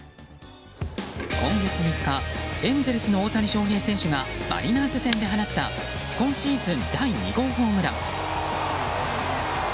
今月３日エンゼルスの大谷翔平選手がマリナーズ戦で放った今シーズン第２号ホームラン。